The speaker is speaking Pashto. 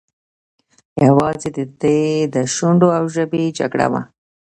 یوازې د ده د شونډو او ژبې جګړه وه.